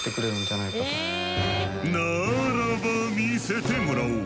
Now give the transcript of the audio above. ならば見せてもらおう！